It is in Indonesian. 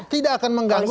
tidak akan mengganggu